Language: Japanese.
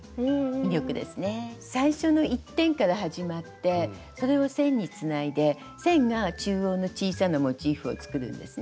最初の一点から始まってそれを線につないで線が中央の小さなモチーフを作るんですね。